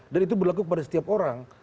dan itu berlaku pada setiap orang